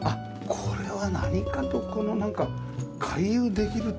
これは何かとこのなんか回遊できるっていうのは。